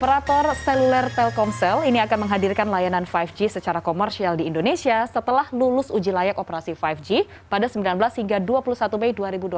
operator seluler telkomsel ini akan menghadirkan layanan lima g secara komersial di indonesia setelah lulus uji layak operasi lima g pada sembilan belas hingga dua puluh satu mei dua ribu dua puluh satu